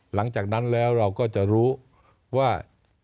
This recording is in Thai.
หลังจากนั้นแล้วเราก็จะรู้ว่า